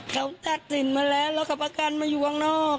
เขาตัดสินมาแล้วแล้วเขาประกันมาอยู่ข้างนอก